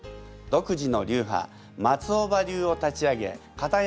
独自の流派松尾葉流を立ち上げかた